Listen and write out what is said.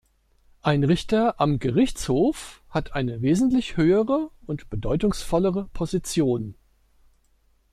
Ein Richter am Gerichtshof hat eine wesentlich höhere und bedeutungsvollere Position.